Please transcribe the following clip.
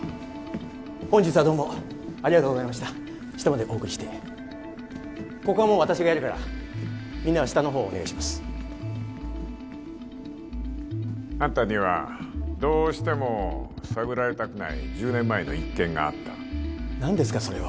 本日はありがとうございました下までお送りしてここはもう私がやるからみんなは下の方お願いしますあんたにはどうしても探られたくない１０年前の一件があった何ですかそれは？